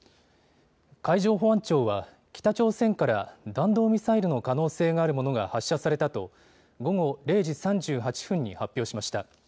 海上保安庁は北朝鮮から弾道ミサイルの可能性があるものが発射されたと午後０時３８分に発表しました。